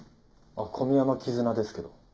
古宮山絆ですけど。